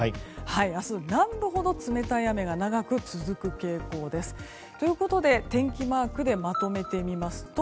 明日、南部ほど冷たい雨が長く続く傾向です。ということで天気マークでまとめてみますと